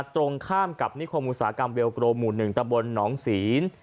ตรงข้ามกับนิคมอุตสาหกรรมเวลโกรหมู่๑ตะบนหนองศีล